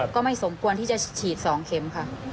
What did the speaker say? ก็ไม่สมควรที่จะฉีด๒เข็มค่ะ